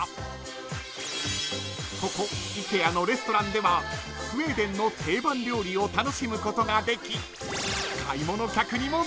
［ここＩＫＥＡのレストランではスウェーデンの定番料理を楽しむことができ］